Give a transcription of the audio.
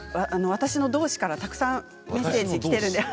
私の同志からたくさんメッセージきています。